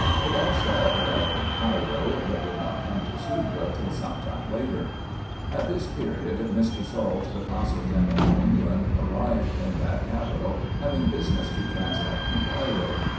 The Bashaw arrived at Cairo, but did not come to Soubra till some time after. At this period Mr. Salt, the consul general from England, arrived in that capital, having business to transact in Cairo.